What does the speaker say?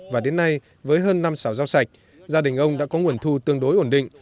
và đến nay với hơn năm sảo rau sạch gia đình ông đã có nguồn thu tương đối ổn định